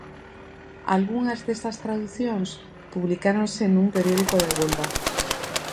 Algunhas destas traducións publicáronse nun periódico de Huelva.